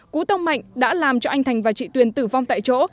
cú tông mạnh đã làm cho anh thành và chị tuyền tử vong tại chỗ